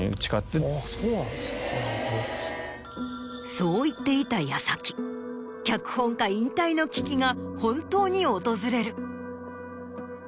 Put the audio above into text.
そう言っていた矢先脚本家引退の危機が本当に訪れる。